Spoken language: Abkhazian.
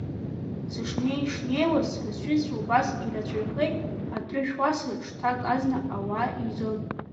Сышнеи-шнеиуаз сара сҩызцәа убас ирацәаҩхеит, атрышә уасыр, шҭак азна ауаа еизон.